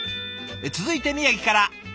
続いて宮城から。